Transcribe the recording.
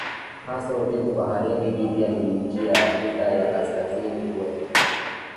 hasa uvuvi bahariniLibya ni nchi ya Afrika ya Kaskazini kwenye